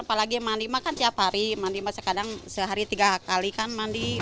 apalagi mandi makan tiap hari mandi maksudnya kadang sehari tiga kali kan mandi